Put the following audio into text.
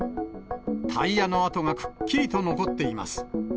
タイヤの跡がくっきりと残っています。